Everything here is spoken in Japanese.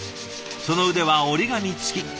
その腕は折り紙付き。